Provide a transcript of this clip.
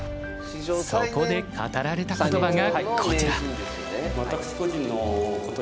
そこで語られた言葉がこちら。